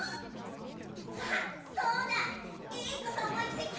あっそうだいいことおもいついた！